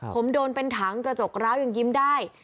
ผมโดนเป็นถังกระจกร้าวยังยิ้มได้